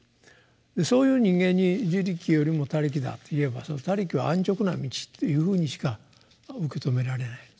でそういう人間に「自力」よりも「他力」だと言えば「他力」は安直な道っていうふうにしか受け止められない。